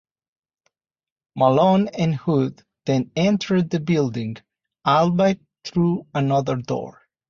Malone and Hood then entered the building, albeit through another door.